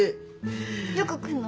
よく来んの？